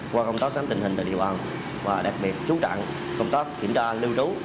qua công tác giám tình hình tại địa bàn và đặc biệt chú trạng công tác kiểm tra lưu trú